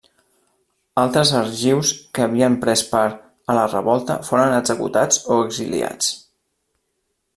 Altres argius que havien pres part a la revolta foren executats o exiliats.